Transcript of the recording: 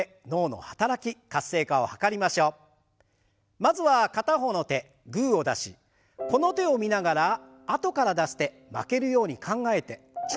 まずは片方の手グーを出しこの手を見ながらあとから出す手負けるように考えてチョキを出します。